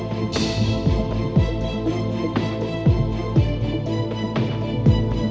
แปดไปแล้ว